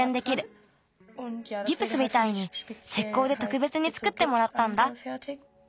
ギプスみたいにせっこうでとくべつにつくってもらったんだ。